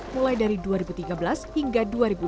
mulai dari dua ribu tiga belas hingga dua ribu dua puluh